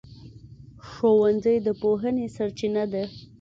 ښوونځی د پوهنې سرچینه ده.